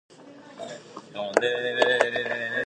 Therefore, the whole building acts as a giant display.